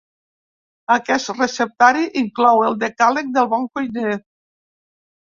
Aquest receptari inclou el decàleg del bon cuiner.